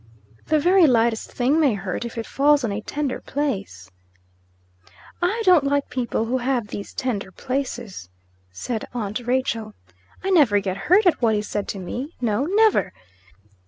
"The very lightest thing may hurt, if it falls on a tender place." "I don't like people who have these tender places," said aunt Rachel. "I never get hurt at what is said to me. No never!